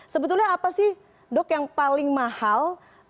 sebetulnya apa sih dok yang paling mahal